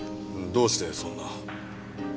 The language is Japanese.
どうしてそんな？